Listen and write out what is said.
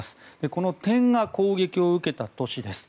この点が攻撃を受けた都市です。